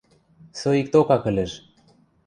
Соикток ак ӹлӹж.